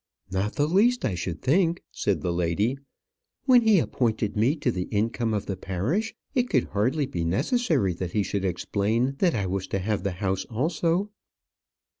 "Not the least, I should think," said the lady. "When he appointed me to the income of the parish, it could hardly be necessary that he should explain that I was to have the house also."